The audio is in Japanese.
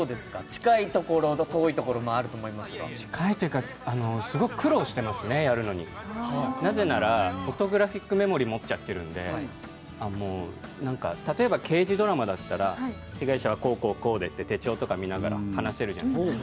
近いというか、すごく苦労していますね、やるのになぜならフォトグラフィックメモリー持っちゃってるんで例えば刑事ドラマだったら、被害者はこうこう、こうでって手帳とか見ながら話せるじゃないですか。